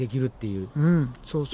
うんそうそう。